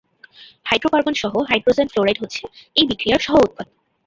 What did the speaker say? Hydrocarbon সহ hydrogen fluoride হচ্ছে এই বিক্রিয়ার সহ-উৎপাদ।